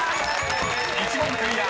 ［１問クリア！